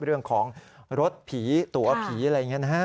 เรื่องของรถผีตัวผีอะไรอย่างนี้นะฮะ